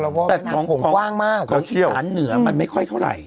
แล้วก็น้ำโขมกว้างมากแล้วก็เชี่ยวด้านเหนือมันไม่ค่อยเท่าไหร่